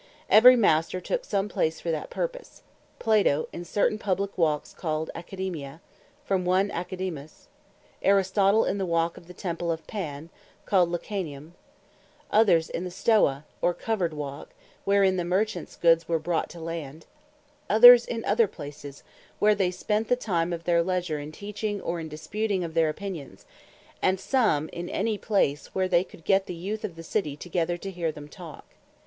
Every Master took some place for that purpose. Plato in certaine publique Walks called Academia, from one Academus: Aristotle in the Walk of the Temple of Pan, called Lycaeum: others in the Stoa, or covered Walk, wherein the Merchants Goods were brought to land: others in other places; where they spent the time of their Leasure, in teaching or in disputing of their Opinions: and some in any place, where they could get the youth of the City together to hear them talk.